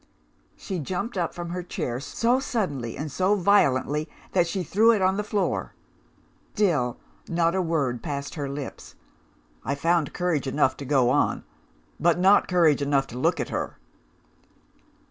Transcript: "She jumped up from her chair, so suddenly and so violently that she threw it on the floor. Still, not a word passed her lips. I found courage enough to go on but not courage enough to look at her.